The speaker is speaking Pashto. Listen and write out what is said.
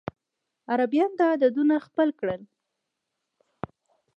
عربيان دا عددونه خپل کړل.